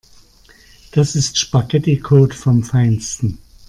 Das ist Spaghetticode vom Feinsten.